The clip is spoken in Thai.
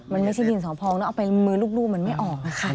มันไม่ใช่ดินสอพองแล้วเอาไปมือลูกมันไม่ออกค่ะ